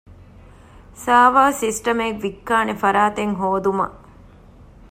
ސާވާރ ސިސްޓަމެއް ވިއްކާނެ ފަރާތެއްހޯދުމަށް